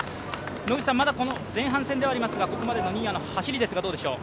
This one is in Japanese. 野口さん、まだ前半戦ではありますが、ここまでの新谷の走り、どうでしょう？